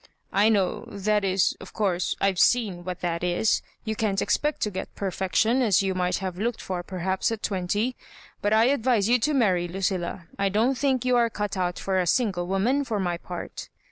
" I know — ^that is, of course, I've seen what that is ; you can't expect to get perfection, as you might have looked for perhaps at twenty ; but I advise you to marry, Lucilla. I don't think you are cut out for a sin gle woman, for my part."